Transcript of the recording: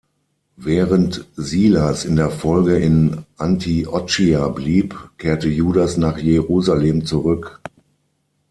Während Silas in der Folge in Antiochia blieb, kehrte Judas nach Jerusalem zurück.